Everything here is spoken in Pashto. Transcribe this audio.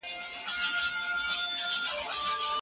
څېړنه د پوهي په سمندر کي لامبو ده.